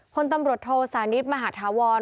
คนตำรวจโทสานิทมหาธาวร